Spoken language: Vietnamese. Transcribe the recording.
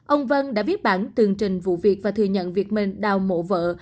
ông vân đã viết bản tường trình vụ việc và thừa nhận việc mình đào mộ vợ